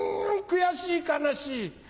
悔しい悲しい。